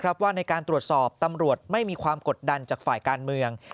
ว่าในการตรวจสอบตำรวจไม่มีความกดดันจากฝ่ายการเมือง